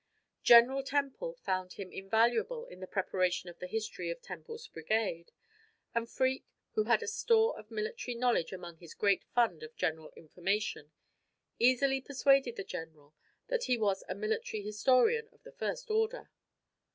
General Temple found him invaluable in the preparation of the History of Temple's Brigade; and Freke, who had a store of military knowledge among his great fund of general information, easily persuaded the general that he was a military historian of the first order.